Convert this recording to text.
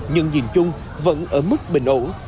nhưng nhìn chung vẫn ở mức bình ổn